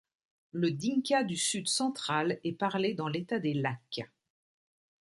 Le dinka du Sud-Central est parlé dans l'État des Lacs.